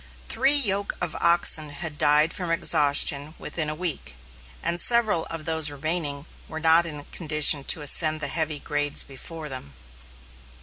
Three yoke of oxen had died from exhaustion within a week, and several of those remaining were not in condition to ascend the heavy grades before them.